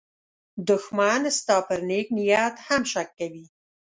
دښمن ستا پر نېک نیت هم شک کوي